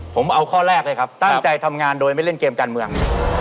ผมเอาข้อแรกเลยครับตั้งใจทำงานโดยไม่เล่นเกมการเมือง